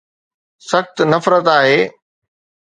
سخت نفرت آهي